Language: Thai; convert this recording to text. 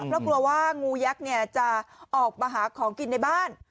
แล้วกลัวว่างูยักษ์เนี่ยจะออกมาหาของกินในบ้าน